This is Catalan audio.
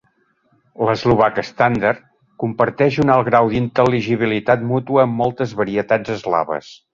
L"eslovac estàndard comparteix un alt grau d"intel·ligibilitat mútua amb moltes varietats eslaves.